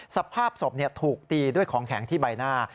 สภาพศพถูกตีด้วยของแข็งที่ใบหน้า